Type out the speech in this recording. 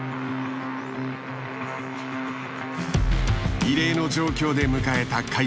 異例の状況で迎えた開幕戦。